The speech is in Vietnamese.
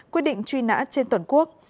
quyết định truy nã trên toàn quốc